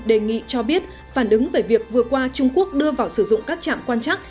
đề nghị cho biết phản ứng về việc vừa qua trung quốc đưa vào sử dụng các trạm quan chắc